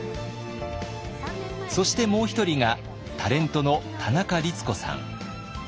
そしてもう一人がタレントの田中律子さん。